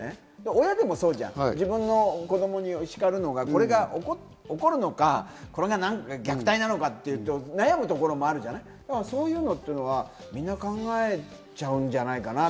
親でもそうじゃん、自分の子供にしかるのが、これが怒るのか、虐待なのか悩むところもあるじゃない、そういうのはみんな考えちゃうんじゃないかなって。